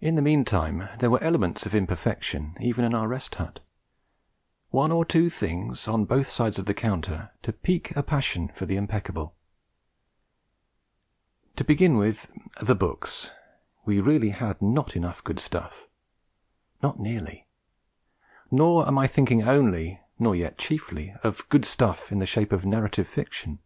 In the meantime there were elements of imperfection even in our Rest Hut: one or two things, and on both sides of the counter, to pique a passion for the impeccable. To begin with the books, we really had not enough Good Stuff. Not nearly! Nor am I thinking only, nor yet chiefly, of Good Stuff in the shape of narrative fiction.